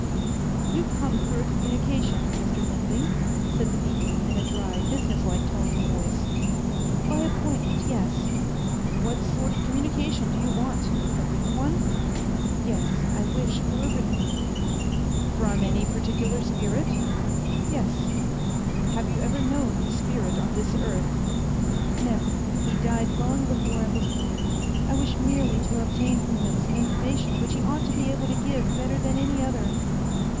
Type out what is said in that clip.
"You come for a communication, Mr. Linley?" said the medium, in a dry, businesslike tone of voice. "By appointment yes." "What sort of communication do you want a written one?" "Yes, I wish for a written one." "From any particular spirit?" "Yes." "Have you ever known this spirit on this earth?" "Never. He died long before I was born. I wish merely to obtain from him some information which he ought to be able to give better than any other."